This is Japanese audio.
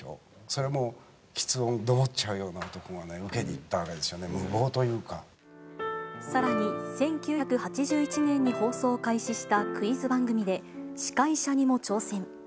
それもきつ音、どもっちゃうような男が受けに行さらに、１９８１年に放送を開始したクイズ番組で司会者にも挑戦。